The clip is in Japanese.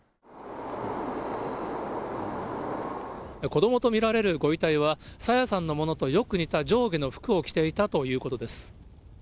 子どもと見られるご遺体は、朝芽さんのものとよく似た上下の服を着ていたということです。